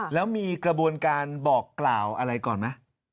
แล้วมีกระบวนการบอกกล่าวอะไรก่อนไหม